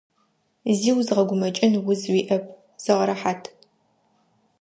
Зи узгъэгумэкӏын уз уиӏэп, зыгъэрэхьат.